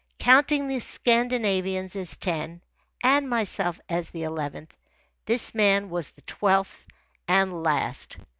Counting the Scandinavians as ten, and myself as the eleventh, this man was the twelfth and last.